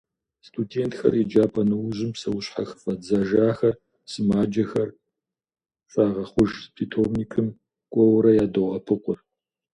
Студентхэр еджапӏэ нэужьым, псэущьхьэ хыфӏадзэжахэр, сымаджэхэр, щагъэхъуж питомникым кӏуэуэрэ ядоӏэпыкъур.